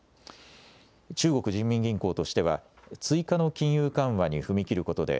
中国人民銀行としては、追加の金融緩和に踏み切ることで、